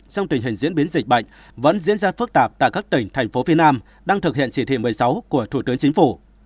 song tình hình diễn biến dịch bệnh vẫn diễn ra phức tạp tại các tỉnh thành phố phía nam đang thực hiện chỉ thị một mươi sáu của thủ tướng chính phủ